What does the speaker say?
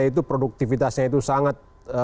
itu produktivitasnya itu sangat